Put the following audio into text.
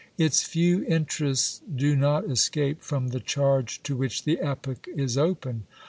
Its few interests do not escape from the charge to which the epoch is open.